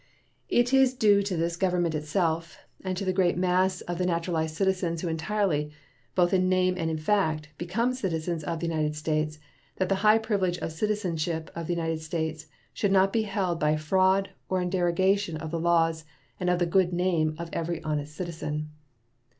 It is due to this Government itself and to the great mass of the naturalized citizens who entirely, both in name and in fact, become citizens of the United States that the high privilege of citizenship of the United States should not be held by fraud or in derogation of the laws and of the good name of every honest citizen.